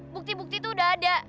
bukti bukti itu udah ada